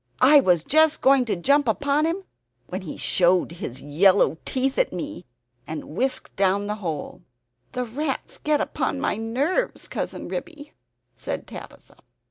I was just going to jump upon him, when he showed his yellow teeth at me and whisked down the hole. "The rats get upon my nerves, Cousin Ribby," said Tabitha.